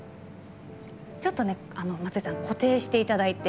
ちょっとね、松下さん固定していただいて。